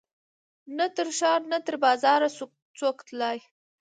نه تر ښار نه تر بازاره سو څوک تللای